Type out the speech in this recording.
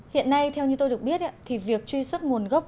hiện nay theo như tôi được biết thì việc truy xuất nguồn gốc